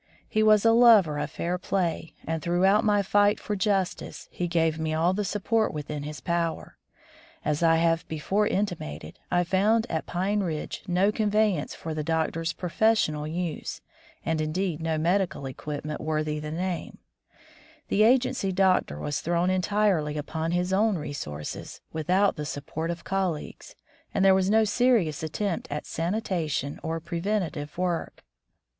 He was a lover of fair play, and throughout my fight for justice he gave me all the support within his power. As I have before intimated, I found at Pine Ridge no conveyance for the doctor's professional use, and indeed no medical equipment worthy the name. The 119 From the Deep Woods to Civilization agency doctor was thrown entirely upon his own resources, without the support of col leagues, and there was no serious attempt at sanitation or preventive work.